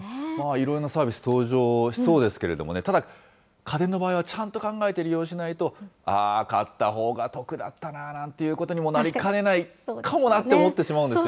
いろんなサービス登場しそうですけれどもね、ただ、家電の場合はちゃんと考えて利用しないと、ああ、買ったほうが得だったななんていうことにもなりかねないかもなっそうなんです。